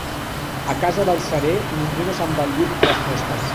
A casa del cerer ningú no se'n va al llit a les fosques.